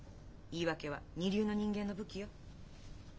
言い訳は二流の人間の武器よ。